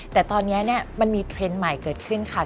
แต่ตอนนี้มันมีเทรนด์ใหม่เกิดขึ้นค่ะ